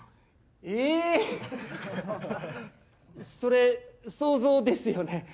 それ想像ですよね？